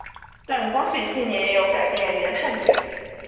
但光绪七年又改变原判决。